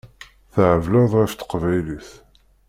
Thebleḍ ɣef teqbaylit.